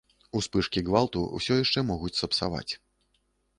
Успышкі гвалту ўсё яшчэ могуць сапсаваць.